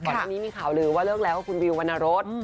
ก่อนหน้านี้มีข่าวลือว่าเลิกแล้วกับคุณวิววรรณรส